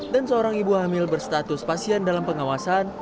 dan seorang ibu hamil berstatus pasien dalam pengawasan